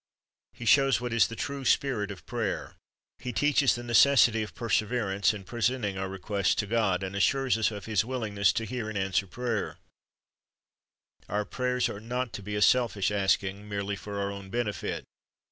He shows what is the true spirit of prayer, He teaches the necessity of perseverance in presenting our requests to God, and assures us of His w^illingness to hear and answer prayer Our prayers are not to be a selfish asking, merely for our own benefit.